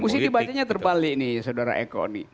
mesti dibacanya terbalik nih saudara eko nih